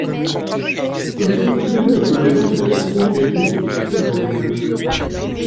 Ce procédé appelé ventilation est long et très laborieux.